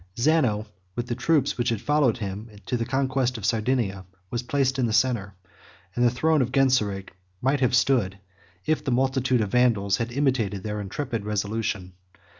Zano, with the troops which had followed him to the conquest of Sardinia, was placed in the centre; and the throne of Genseric might have stood, if the multitude of Vandals had imitated their intrepid resolution.